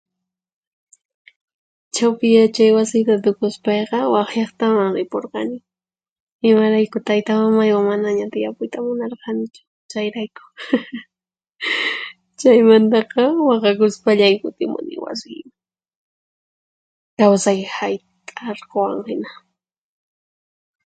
Chawpi Yachay Wasiyta tukuspayqa waq llaqtaman ripurqani, imarayku taytamamaywan manaña tiyapuyta munarqanichu, chayrayku. Hahahah Chaymantaqa waqakuspallay kutimuni wasiyman. Kawsay hayt'arquwan hina.